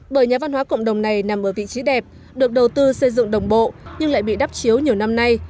bởi nhà văn hóa cộng đồng này nằm ở vị trí đẹp được đầu tư xây dựng đồng bộ nhưng lại bị đắp chiếu nhiều năm nay